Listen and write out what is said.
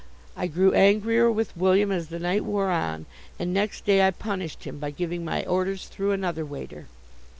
I grew angrier with William as the night wore on, and next day I punished him by giving my orders through another waiter.